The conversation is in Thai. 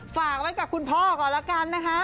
ฝากไว้กับคุณพ่อก่อนแล้วกันนะคะ